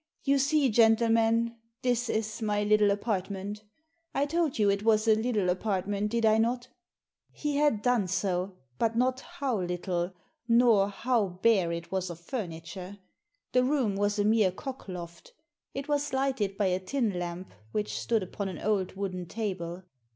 "You see, gentlemen, this is my little apartment I told you it was a little apartment, did I not ?" He had done so, but not how little, nor how bare it was of furniture. The room was a mere cock loft It was lighted by a tin lamp which stood upon an old wooden table.